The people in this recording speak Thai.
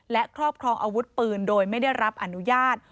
และครอบครองอาวุธปืนโดยไม่ได้รับอนุญาต